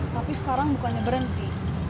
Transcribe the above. tapi sekarang bukannya berhenti